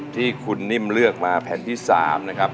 ที่คุณนิ่มเลือกมาแผ่นที่๓นะครับ